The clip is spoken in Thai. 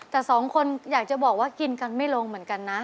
แต่สองคนอยากจะบอกว่ากินกันไม่ลงเหมือนกันนะ